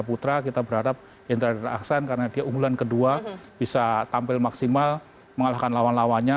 di ganda putra kita berharap indra dara aksan karena dia umulan kedua bisa tampil maksimal mengalahkan lawan lawannya